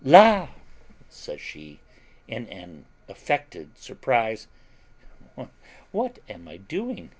"La!" says she, in an affected surprize, "what am I doing?